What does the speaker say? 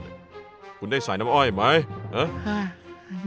มาใช้ส่วนใหม่น้ำอ้อยไหม